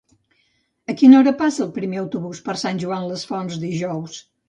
A quina hora passa el primer autobús per Sant Joan les Fonts dijous?